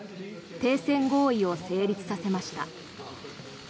停戦合意を成立させました。